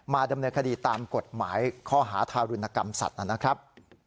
มาดำเนื้อคดีตามกฎหมายข้อหาธารุณกรรมศัตริย์นั้นนะครับ